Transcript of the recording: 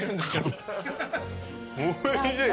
おいしい。